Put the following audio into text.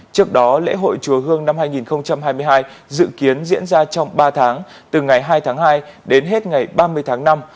trước đó lễ hội chùa hương năm hai nghìn hai mươi hai dự kiến diễn ra trong ba tháng từ ngày hai tháng hai đến hết ngày ba mươi tháng năm